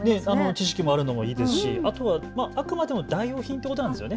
知識があるのもいいですしあくまでも代用品ということなんですよね。